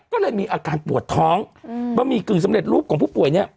ก็เลยมีอาการปวดท้องบะหมี่กึ่งสำเร็จรูปของผู้ป่วยเนี่ย